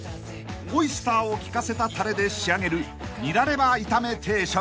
［オイスターを利かせたたれで仕上げる］